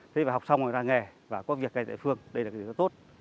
thế học xong rồi ra nghề và có việc ngay tại địa phương đây là điều tốt